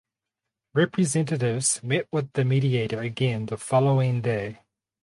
Representatives met with the mediator again the following day.